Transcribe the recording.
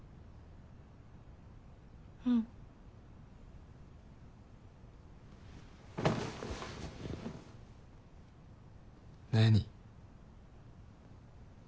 うん。何？